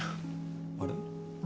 あれ？